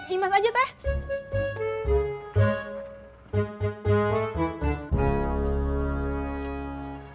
iman aja teh